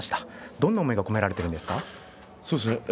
どんな思いが込められているんですか。